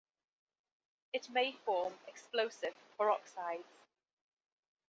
It may form explosive peroxides.